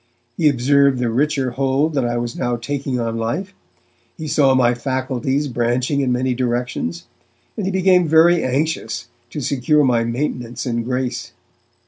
He observed the richer hold that I was now taking on life; he saw my faculties branching in many directions, and he became very anxious to secure my maintenance in grace.